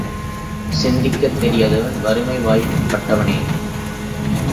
சிந்திக்கத் தெரியாதவன் வறுமை வாய்ப் பட்டவனே!